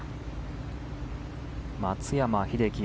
松山英樹